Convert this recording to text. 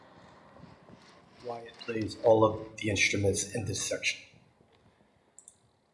Wyatt plays all the instruments in this section.